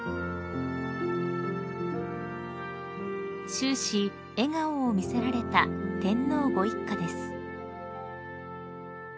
［終始笑顔を見せられた天皇ご一家です］